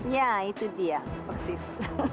ya itu dia persis